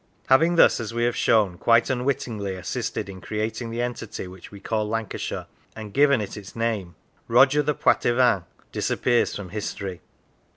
Having thus, as we have shown, quite unwittingly assisted in creating the entity which we call Lancashire, and given it its name, Roger the Poitevin disappears from history.